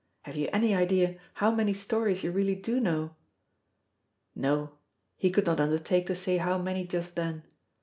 Have you any idea how many stories you really do know?" No: he could not undertake to say how many just then.